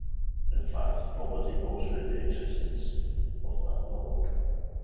In fact, nobody knows the existence of that novel.